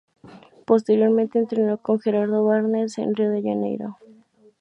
Posteriormente entrenó con Geraldo Bernardes en Río de Janeiro.